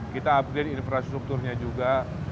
kita upgrade infrastrukturnya juga